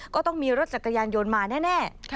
ก็ต้องมีรถจักรยานยนต์มาแน่